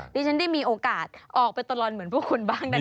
ดิฉันได้มีโอกาสออกไปตลอดเหมือนพวกคุณบ้างนะคะ